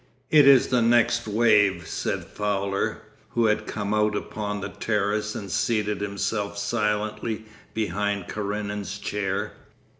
'It is the next wave,' said Fowler, who had come out upon the terrace and seated himself silently behind Karenin's chair.